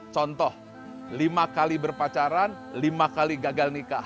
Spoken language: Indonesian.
contoh lima kali berpacaran lima kali gagal nikah